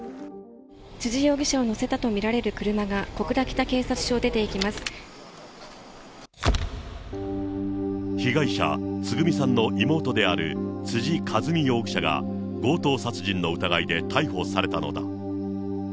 辻容疑者を乗せたと見られる車が、小倉北警察署を出ていきま被害者、つぐみさんの妹である辻和美容疑者が、強盗殺人の疑いで逮捕されたのだ。